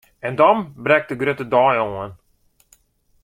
En dan brekt de grutte dei oan!